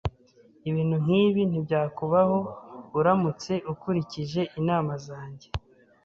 Ibintu nkibi ntibyakubaho uramutse ukurikije inama zanjye.